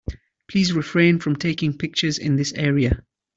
Please refrain from taking pictures in this area.